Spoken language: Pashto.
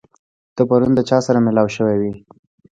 ته پرون د چا سره مېلاو شوی وې؟